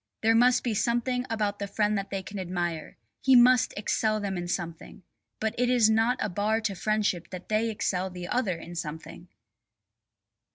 There must be something about the friend that they can admire; he must excel them in something. But it is not a bar to friendship that they excel the other in something.